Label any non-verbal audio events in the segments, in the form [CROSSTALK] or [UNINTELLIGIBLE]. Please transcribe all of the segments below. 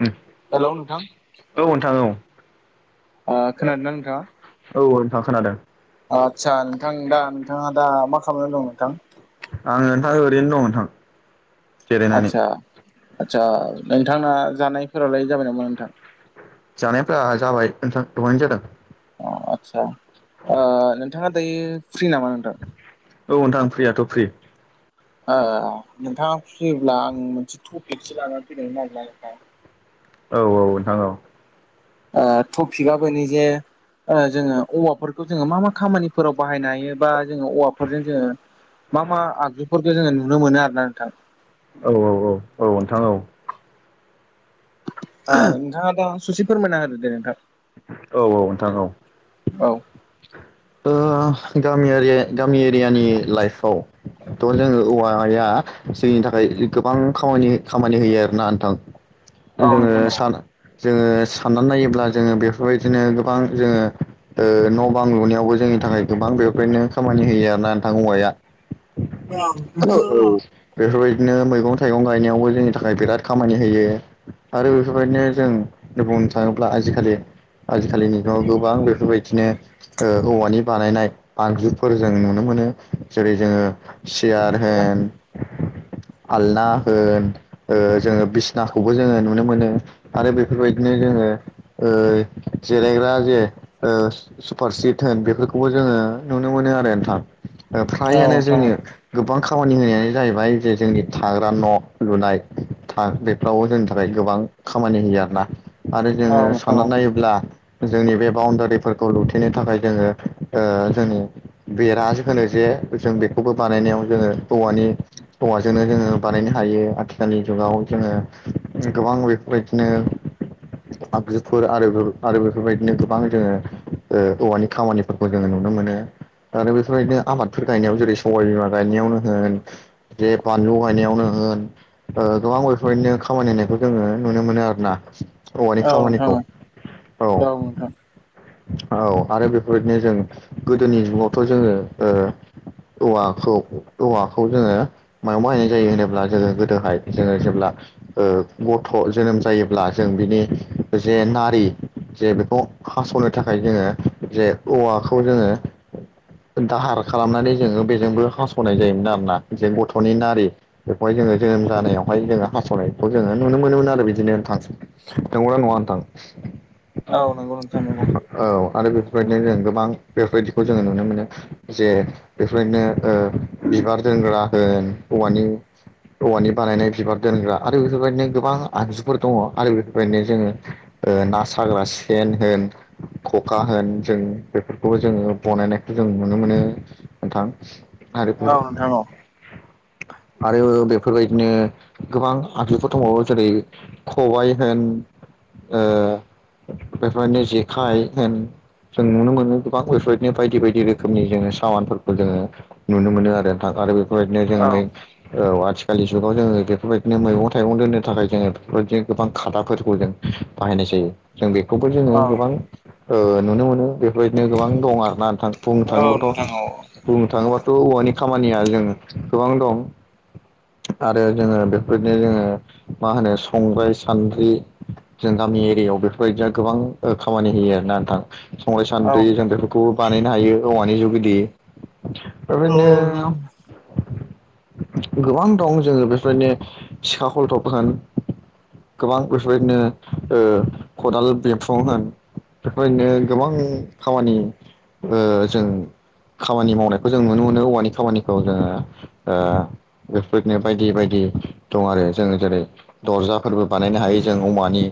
औ हेल' नोंथां औ नोंथां [INAUDIBLE] ओ खोनादोंना नोंथाङा? अ खोनादों। आदसा नोंथां दा नोंथाङा दा मा खालामनानै दं नोंथां? आङो नोंथां ओरैनो दं नोंथां। जिरायनानै आदसा आदसा नोंथांना जानायफोरालाय जाबाय नामा नोंथां? जानायफोरा जाबाय नोंथां दहायनो जादों। अ आस्सा ओ नोंथाङा दायो फ्रि नामा नोंथां? औ नोंथां फ्रियाथ' फ्रि ओ नोंथाङा फ्रिब्ला आं मोनसे टपिकसो लानानै फैदोंमोन आरो ना नोंथां। औ औ नोंथां औ। ओ‌ टपिकआबो बैनोजे ओ जोङो औवाफोरखौ जोङो मा मा खामानिफोराव बाहायनो हायो बा जोङो औवाफोरजों जोङो मा मा आगजुफोरखौ जोङो नुनो मोनो आरोना नोंथां। औ औ औ औ नोंथां औ। ओ नोंथाङा दा सुसे फोरमायना होदो दे नोंथां। औ औ नोंथां औ। औ। ओ गामि एरिया गामि एरियानि लाइफआव थ' जोङो औवाया जोंनि थाखाय जे गोबां खामानि खामानि होयो आरो ना नोंथां। औ जोङो नोंथां औ सान जोङो साननानै नायोब्ला जोङो बे फोरबायदिनो गोबां जोङो ओ न' बां लुनायावबो जोंनि थाखाय गोबां बेफ्रायनो खामानि होयो आ ना नोंथां औवाया हो औ बेफोरबादि नो मैगं थाइगं गायनायावबो जोंनि थाखाय बिराद खामानि होयो आरो बेफोरबायदिनो जों मैगं बुंनो थाङोब्ला आजिखालि आजिखालिनि न'आव गोबां बेफोरबायदिनो ओ औवानि बानायनाय आगजुफोर जों नुनो मोन नो जेरै जोङो सियार होन आलना होन जोङो बिसनाखौबो जोङो नुनो मोनो आरो बेफोरबायदिनो जोङो ओ जिरायग्रा जे ओ सुपारसिट होन बेफोरखौबो जोङो नुनो मोनो आरो नोंथां। ओ औ फ्रायानो नोंथां जोंनि गोबां खामानि होनायानो जाहैबाय जे जोंनि थाग्रा न' लुनाय था बेफ्रावबो जोंनि थाखाय गोबां खामानि होयो आरोना आरो औ जोङो नोंथां औ साननानै नायोब्ला जोंनि बे बाउण्डारि फोरखौ लुथेनो थाखाय जोङो ओ जोंनि बेरा जे होनो जे जों बेखौबो बानाय नायाव जोङो औवानि औवाजोंनो जोंओ बानायनो हायो आथिखालनि जुगाव जोङो गोबां बेफोरबायदिनो आगजुफोर आरो बे आरो बेफोरबायदिनो गोबां जोङो ओ औवानि खामानिफोरखौ जोङो नुनो मोनो‌। आरो बेफोरबायदिनो आबादफोर गायनायाव जेरै सबाय बिमा गायनायावनो होन जे बानलु गायनायावनो हो होन ओ गोबां बेफोरनो खामानि होननायखौ जोङो नुनो मोनो आरो ना। औवानि औ नोंथां खामानिखौ। औ नोंथां। औ आरो बेफोरबायदिनो जों गोदोनि जुगावथ' जोङो ओ औवाखौ औवाखौ जोङो मायाव बाहायनाय जायो होनोब्ला जोङो गोदोहाय जोङो जेब्ला ओ गथ' जोनोम जायोब्ला जों बिनि जे नारि जे बेखौ हास'नो थाखाय जोङो जे औवाखौ जोङो दाहार खालामनानै जोङो बेजोंबो हास'नाय जायोमोन आरोना जों गथ'नि नारि बेखौहाय जोङो जोनोम जानायावहाय जोङो हासावनायखौ जोङो नुनो मोनोमोन आरो बिदिनो नोंथां नंगौ ना नङा नोंथां? [INAUDIBLE] औ नंगौ नोंथां नंगौ औ आरो बेफोरबायदिनो जों गोबां बेफोरबायदिखौ जोङो नुनो मोनो जे बेफोरबायदिनो ओ बिबार दोनग्रा होन औवानि औवानि बानायनाय बिबार दोनग्रा आरो बेफोरबायदिनो गोबां आगजुफोर दङ आरो बेफोरबायदिनो जोङो ओ ना सा साग्रा सेन होन खखा होन जों बेफोरखौबो जोङो बनायनायखौ जों नुनो मोनो। ओ नोंथां। आरो औ नोंथां औ। आरो बेफोरबायदिनो गोबां आगजुफोर दंबावो जेरै खबाइ होन बेफोरनो जेखाइ होन जों नुनो मोनो गोबां बेफोरबायदिनो बायदि बायदि रोखोमनि जोङो सामानफोरखौ जोङो नुनो मोनो आरो नोंथां आरो बे रैनो जों औ बै औ आथिखालनि जुगाव जोङो बेफोरबायदिनो मैगं थाइगं दोननो थाखाय जोङो बेफोरबायदिनो गोबां खादाफोरखौ जों बाहायनाय जायो जों बेखौबो जोङो औ गोबां नुनो मोनो बे बेबायदिनो गोबां दं आरोना नोंथां बुंनो औ थाङोबाथ' नोंथां औ बुंनो थाङोबाथ' औवानि खामानिया जोंङो गोबां दं। आरो जोङो बेफोरनो जोङो मा होनो संग्राइ सान्द्रि जों नि एरियायाव बेफोरबायदि गोबां खामानि होयो आरोना नोंथां संग्राय औ सान्द्रि जों नोंथां बेफोरखौ बानाय हायो औवानि जुगिदि औ बेबायदिनो नोंथां गोबां दं जोङो बेफोरनो सिखा खलथब होन गोबां बेबायदिनो खदाल बिखुं होन बेफोरबायदिनो गोबां खामानि जों खामानि मावनायखौ जों नुनो मोनो औवानि खामानिखौ जोङो बेफोरनो बायदि बायदि दं आरो जों जेरै दर्जाफोरबो बानायनो हायो जों औवानि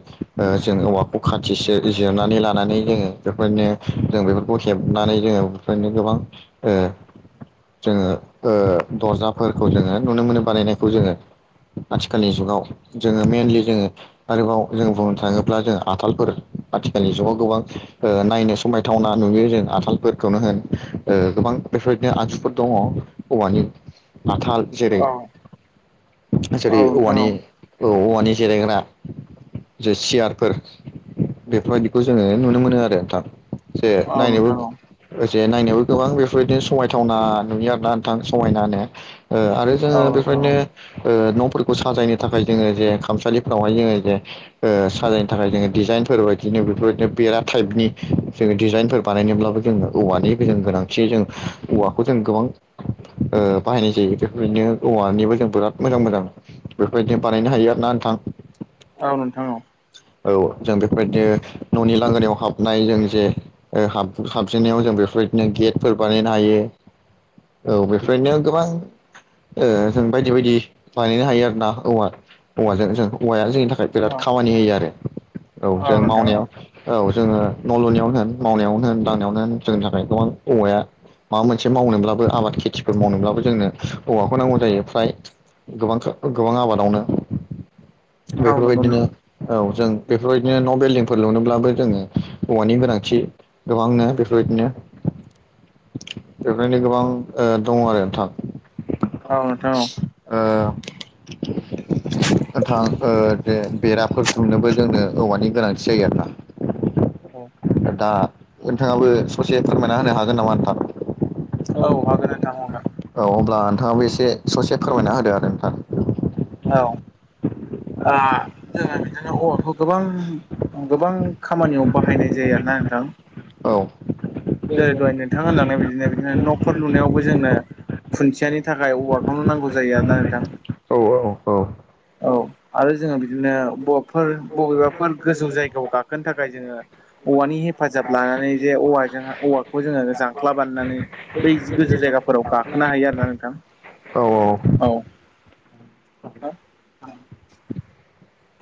जों औवाखौ खाथि जिरनानै लानानै जोङो बेफोरबायदिनो जों बेफोरखौ हेबनानै जोङो बेफोरबायदिनो गोबां ओ जोङो ओ दरजाफोरखौ जोङो नुनो मोनो बानायनायखौ जोङो। आथिखालनि जुगाव जोङो मेनलि जोङो आरोबाव जों बुंनो थाङोब्ला जों आथालफोर आथिखालनि जुगाव गोबां नायनो समायथावना नुयो जों आथालफोरखौनो हो ओ गोबां बेफोरबायदिनो आनजुफोर दङ औवानि आथाल औ जेरै जेरै औ नोंथां औवानि औ औवा नि जिरायग्रा जे सियार फोर बेफोरबायदिखौ जोङो नुनो मोनो आरो नोंथां। जे औ नोंथां औ नायनोबो नोंथां औ जेन नायनायावबो गोबां बेफोरबायदिनो समायथावना नुयो आरोना नोंथां समायनो। ओ आरो जोङो औ बेफोरनो न'फोर खौ साजायनो थाखाय जोङो जे खामसालिफ्रावहाय जोङो जे साजाय थाखाय जोङो डिजाइनफोर बायदिनो बेफोरबायदिनो बेरा टाइपनि जोङो डिजाइनफोर बानायनोब्लाबो जोङो औवानि नि गोनांथि जों औवाखौ जों गोबां ओ बाहायनाय जायो बेफोरबायदिनो औवानिबो जों बिराद मोजां मोजां बेफोरबायदिनो बानायनो हायो आरो ना नोंथां। औ नोंथां औ। औ जों बेफोरबायदिनो न'नि लांगोनायाव हाबनाय जों जे हाब हाबजेनायाव जों बे बेफोरबादिनो गेटफोर बानायनो हायो औ बेफोरबादिनो गोबां जों बायदि बायदि बानायनो हायो आरो ना औव औवाजों जों औवाया जों थाखाय बिराद खामानि होयो आरो औ जों नोंथां औ नंगौ नोंथां औ नोंथां औ मावनायाव औ जोङो न' लुनायावनो होन मावनायावनो होन दांनायावनो होन जोंनि थाखाय गोबां औवाया माबा मोनसे मावनोब्लाबो आबाद खेथिफोर मावनोब्लाबो जोंनो हौवाखौ नांगौ जायो फ्राय गोबां गोबां आबादावनो हागोन बेफोरबायदिनो नोंथां औ जों बेफोरबायदिनो न' बिल्डिंफोर लुनोब्लाबो जोङो हौवानि गोनांथि गोबांनो बेफोरबायदिनो [INAUDIBLE] बेफोरनो गोबां दङ आरो नोंथां। हागोन ओ नोंथां ओ जे बेराफोर दुमनोबो जोंनो औवानि गोनांथि जायो आरोना। दा नोंथाङाबो ससे फोरमायना होनो हागोन नामा नोंथां? औ होनब्ला नोंथाङाबो एसे ससे फोरमायना होदो आरो नोंथां। औ ओ जोंहा बिदिनो औवाखौ गोबां गोबां खामानियाव बाहायनाय जायो आरो ना नोंथां औ जेरै दहाय नोंथाङा होनलांनाय बादिनो‌ बिदिनो न' खर लुनायावबो जोंनो खुन्थियानि थाखाय औवाखौनो नांगौ जायो आरोना नोंथां। औ औ औ औ आरो जोङो बिदिनो बवाफोर बबेबाफोर गोजौ जायगायाव गाखोनो थाखाय जोङो औवानि हे फाजाब लानानै जे औवाजों औवाखौ जोङो जांख्ला बानायनानै बै गोजौ जायगाफोराव गा‌ खोनो हायो आरोना नोंथां । औ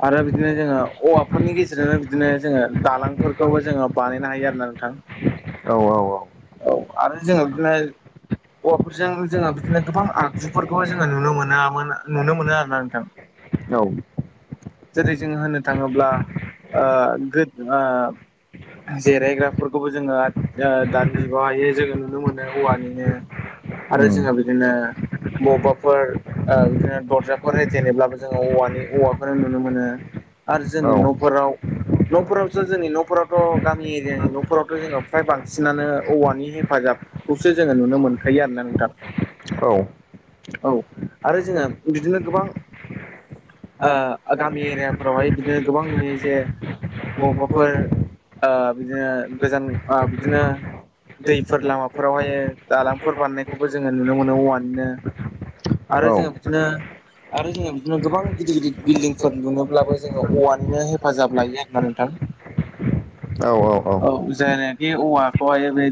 आरो बिदिनो जोङो औवाफोरनि गेजेरजोंनो बिदिनो जोङो दालांफोरखौबो जोङो बानायनो हायो आरो ना नोंथां। औ औ औ औ आरो जोङो बिदिनो औवाफोरजों जोङो बिदिनो गोबां आगजुफोरखौ जोङो नुनो मोनामोन नुनो मोनो आरोना नोंथां। औ जेरै जोंङो होननो थाङोब्ला ओ गो ओ जिरायग्राफोरखौबो जोङो ओ दानि जुगावहाय जोङो नुनो मोनो औवानिनो आरो उम जोङो बिदिनो बबावबाफोर ओ बिदिनो दरजाफोर होथेनोब्लाबो जोङो औवानि औवाखौनो नुनो मोनो। आरो जोंनि न'फोराव न'फोरावसो जोंनि न'फोरावथ' गामि एरियानि न'फोरावथ' जोङो फ्राय बांसि नानो औवानि हेफाजाबखौसो जोङो नुनो मोनखायो आरो ना नोंथां। औ आरो जोङो बिदिनो गोबां ओ गामि एरियाफोरावहाय बिदिनो गोबां नुयो जे बबावबाफोर ओ बिदिनो गोजान ओ बिदिनो दैफोर लामाफोरावहाय दालांफोर बानायनायखौबो जोङो नुनो मोनो औवानिनो आरो जोङो बिदिनो आरो जोङो बिदिनो गोबां गिदिर-गिदिर बिल्डिंफोर लुनोब्लाबो जोङो औवानिनो हेफाजाब लायो आरो‌ ना नोंथां। [INAUDIBLE] औ औ औ औ जायनााखि औवाखौहाय बे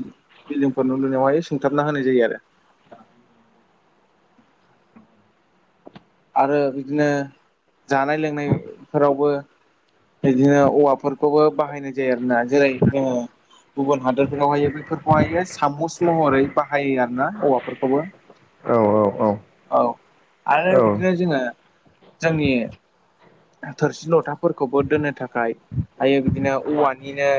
बिल्डिंफोर न' लुनायावहाय सुंथाबना होनाय जायो आरो। [INAUDIBLE] आरो बिदिनो जानाय-लोंनायफोरावबो बिदिनो औवाफोरखौबो बाहायनाय जायो आरो ना जेरै-जोङो गुबुन हादोरफोरावहायो बैफोरखौहायो सामुस महरै बाहायो आरो ना औवाफोरखौबो। औ औ औ आरो औ बिदिनो जोङो जोंनि थोरसि-लथाफोरखौबो दोननो थाखाय आयो बिदिनो औवानिनो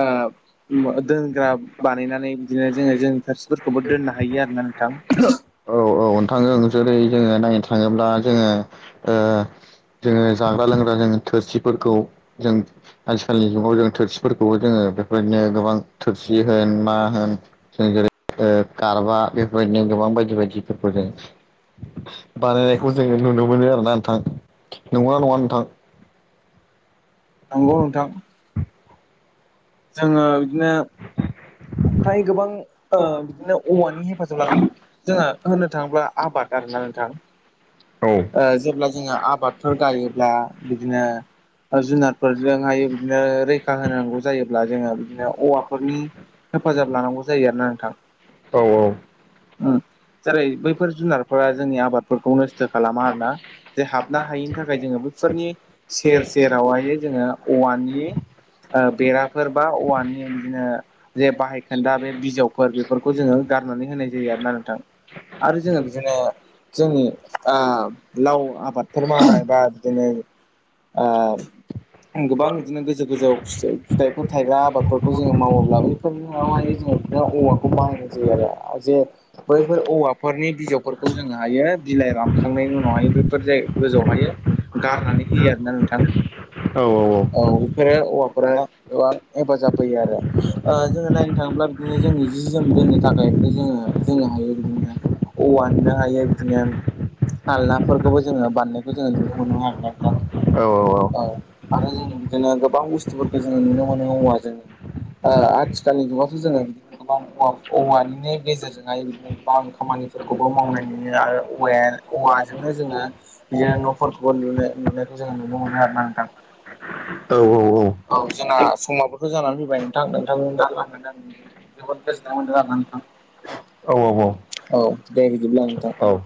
ओ दोनग्रा बानायनानै बिदिनो जोङो जोंनि थोरसिफोरखौबो दोननो हायो आरोना नोंथां औ औ औ नोंथांजों जेरै- जोङो नायनो थाङोब्ला जोङो ओ जोङो जाग्रा-लोंग्रा जोङो थोरसिफोरखौ जों आजिखालिनि जुगाव जों थोरसिफोरखौबो जोङो बेफोरदिनो गोबां थोरसि होन मा होन जों जेरै- ओ गारबा बेफोरबायदिनो गोबां बायदि बायदिफोरखौ जों बानायनायखौ जोङो नुनो मोनो आरोना नोंथां। नोंगौ ना नङा नोंथां? नंगौ नोंथां। जोङो बिदिनो ओमफ्राय गोबां ओ बिदिनो औवानि हेफाजाब लाना जोंहा होननो थाङोब्ला आबाद आरोना नोंथां औ ओ जेब्ला जोङो आबादफोर गायोब्ला बिदिनो जुनारफोरजोंहाय बिदिनो रैखा होनांगौ जायोब्ला जोङो बिदिनो औवाफोरनि हेफाजाब लानांगौ जायो आरो ना नोंथां। औ उम। जेरै बैफोर जुनारफोरा जोंनि आबादफोरखौ नस्थ' खालामा आरोना। जे हाबनो हायिनि थाखाय जोङो बैफोरनि सेर सेरावहाय जोङो औवानि ओ बेराफोर बा औवानि बिदिनो जे बाहाय खोन्दा बे बिजौफोर बेफोरखौ जोङो गारनानै होनाय जायो आरोना नोंथां। आरो जोङो बिदिनो जोंनि ओ लाव आबादफोर मावनाय बा बिदिनो ओ। गोबां बिदिनो गोजौ गोजौ फिथो फिथाइफोर थायग्रा आबादफोरखौ जोङो मावोब्लाबो थामानि जोङो औवाखौ बायनाय जायो। जे बैफोर औवाफोरनि बिजौफोरखौ जोङो हायो बिलाइ रानखांनायनि उनावहायबो फोर जाय गोजौआवहायो गारनानै होयो आरोना नोंथां। औ औ औ। बेफोरो औवाफोरा ओ हेफाजाब होयो आरो ओ जोङो नायनो थाङोब्ला बिनो जोंनि जि जोम दोननो थाखायल जोङो जोननो हायोृ बिदिनो औवा मोननो हायो बिदिनो आलनाफोरखौबो जोङो बानायनायखौ जोङो नुनो मोनो आरोना नोंथां। औ औ औ। आरो जों बिदिनो गोबां बुस्थुफोरखौ जोङो नुनो मोनो औवाजों ओ आथिखालनि जुगावाथ' जोङो बिदिनो गोबां औ औवानिनो गेजेरजोंहाय बिदिनो गोबां खामानिफोर खौ बो मावनाय नुयो आरो औवाया औवाजोंनो जोङो बिदिनो न'फोरखौबो लुनो लुनायखौ जों जों नुनो मोनो आरोना नोंथां औ औ जोंना समाफोरखौ जानानै फैबाय नोंथां नोंथां दा [UNINTELLIGIBLE] जोबोद गोजोननाय मोनदों आरोना नोंथां। औ औ दे बिदिब्ला नोंथां। औ औ